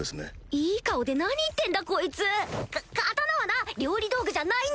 いい顔で何言ってんだこいつ！か刀はな料理道具じゃないんだ！